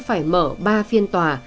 phải mở ba phiên tòa